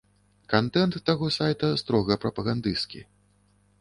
Кантэнт таго сайта строга прапагандысцкі.